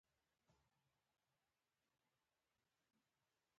شامپانزي له عقلمن انسان سره په فکر کې برلاسی نهلري.